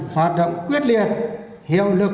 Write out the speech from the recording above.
hoạt động quyết liệt hiệu lực